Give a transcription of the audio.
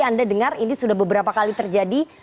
anda dengar ini sudah beberapa kali terjadi